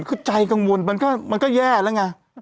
คือใจกังวลมันก็แย่แล้วไง